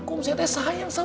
kau sendiri pinginnya gimana